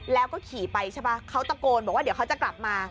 แล้วก็ขี่ไปใช่ป่ะเขาตะโกนบอกว่าเดี๋ยวเขาจะกลับมา